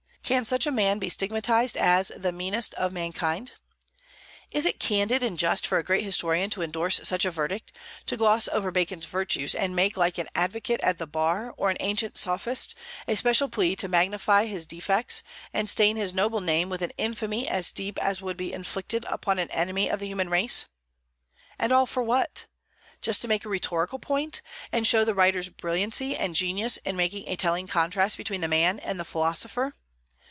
Can such a man be stigmatized as "the meanest of mankind"? Is it candid and just for a great historian to indorse such a verdict, to gloss over Bacon's virtues, and make like an advocate at the bar, or an ancient sophist, a special plea to magnify his defects, and stain his noble name with an infamy as deep as would be inflicted upon an enemy of the human race? And all for what? just to make a rhetorical point, and show the writer's brilliancy and genius in making a telling contrast between the man and the philosopher.